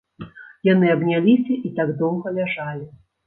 Яны абняліся і так доўга ляжалі.